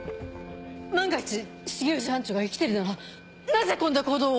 万が一重藤班長が生きてるならなぜこんな行動を。